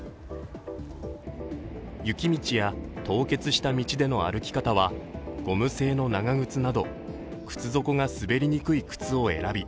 雪道や、凍結した道での歩き方はゴム製の長靴など、靴底が滑りにくい靴を選び